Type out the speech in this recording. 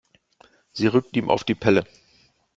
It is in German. Sie rückt ihm auf die Pelle.